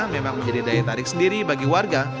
memang menjadi daya tarik sendiri bagi warga